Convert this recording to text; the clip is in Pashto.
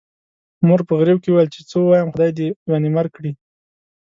مور په غريو کې وويل چې څه ووايم، خدای دې ځوانيمرګ کړي.